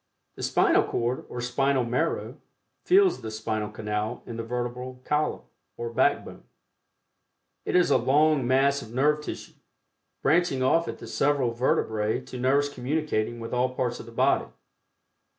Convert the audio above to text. The Spinal Cord, or spinal marrow, fills the spinal canal in the vertebral column, or "backbone." It is a long mass of nerve tissue, branching off at the several vertebrae to nerves communicating with all parts of the body.